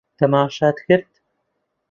تەماشات کرد؟